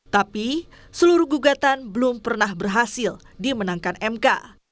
tapi seluruh gugatan belum pernah berhasil dimenangkan mk